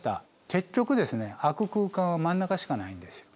結局空く空間は真ん中しかないんですよ。